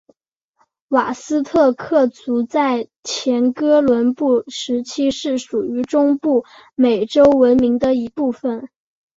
瓦斯特克族在前哥伦布时期是属于中部美洲文明的一部份。